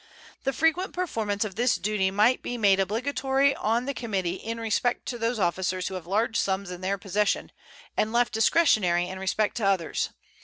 The frequent performance of this duty might be made obligatory on the committee in respect to those officers who have large sums in their possession, and left discretionary in respect to others.